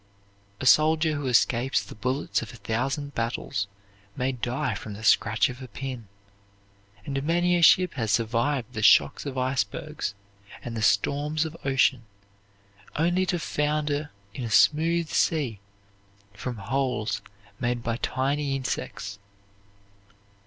A soldier who escapes the bullets of a thousand battles may die from the scratch of a pin, and many a ship has survived the shocks of icebergs and the storms of ocean only to founder in a smooth sea from holes made by tiny insects.